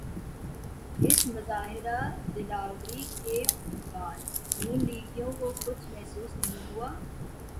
اس مظاہرہ دلاوری کے بعد نون لیگیوں کو کچھ محسوس نہیں ہوا؟